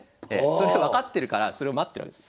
それを分かってるからそれを待ってるわけです。